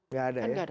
gak ada ya